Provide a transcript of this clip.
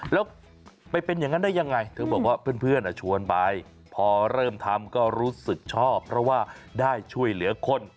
แล้วไปเป็นอย่างนั้นได้ยังไงเธอบอกว่าเพื่อนชวนไปพอเริ่มทำก็รู้สึกชอบเพราะว่าได้ช่วยเหลือคน